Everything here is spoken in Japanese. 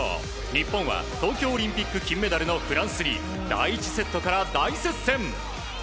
日本は東京オリンピック金メダルのフランスに第１セットから大接戦。